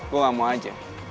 gue gak mau aja